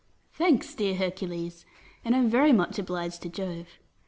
Atlas. Thanks, dear Hercules, and I am very much obliged to Jove.